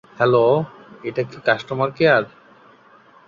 Hello! এটা কি customer care?